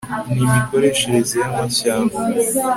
n imikoreshereze y amashyamba